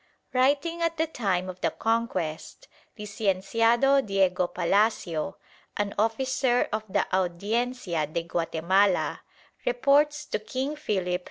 Writing at the time of the Conquest, Licienciado Diego Palacio, an officer of the Audiencia de Guatemala, reports to King Philip II.